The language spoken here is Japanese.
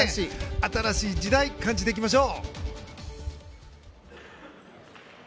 新しい時代を感じていきましょう！